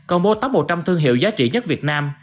công bố tắp một trăm linh thương hiệu giá trị nhất việt nam